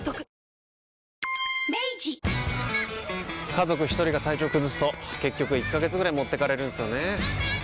家族一人が体調崩すと結局１ヶ月ぐらい持ってかれるんすよねー。